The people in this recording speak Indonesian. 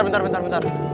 bentar bentar bentar